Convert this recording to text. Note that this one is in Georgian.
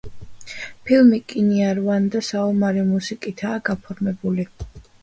ფილმი „კინიარვანდა“ საომარი მუსიკითაა გაფორმებული.